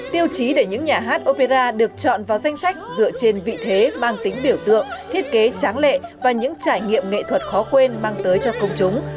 tiêu chí để những nhà hát opera được chọn vào danh sách dựa trên vị thế mang tính biểu tượng thiết kế tráng lệ và những trải nghiệm nghệ thuật khó quên mang tới cho công chúng